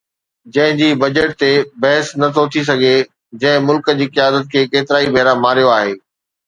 جنهن جي بجيٽ تي بحث نه ٿو ٿي سگهي، جنهن ملڪ جي قيادت کي ڪيترائي ڀيرا ماريو آهي